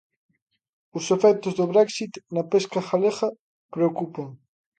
Os efectos do Brexit na pesca galega preocupan.